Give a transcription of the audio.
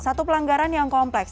satu pelanggaran yang kompleks